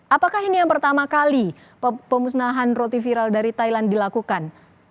apakah ini yang pertama kali pemusnahan roti viral dari thailand dilakukan